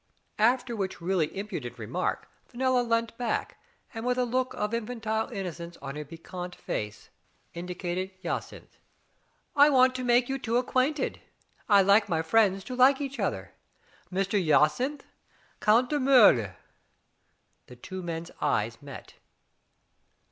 After which really impudent remark, Fenella leant back, and with a look of infantile innocence on her piquante face, indicated Jacynth. "I want to make you two acquainted. I like my friends to like each other. Mr, Jacynth — Count de Miirger." The two men's eyes met.